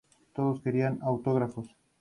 Todos querían autógrafos.